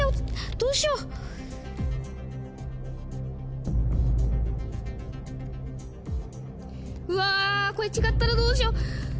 うわこれ違ったらどうしよう。